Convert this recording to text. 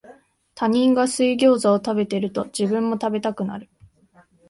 他人が水ギョウザを食べてると、自分も食べたくなる